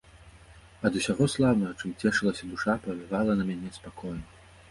Ад усяго слаўнага, чым цешылася душа, павявала на мяне спакоем.